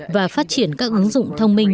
và phát triển các ứng dụng thông minh